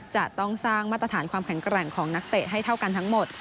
จะต้องสร้างมาตรฐานความแข็งแกร่งของนักเตะให้เท่ากันทั้งหมด